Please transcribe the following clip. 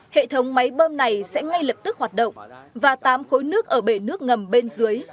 hệ thống máy bơm này sẽ ngay lập tức hoạt động và tám khối nước ở bể nước ngầm bên dưới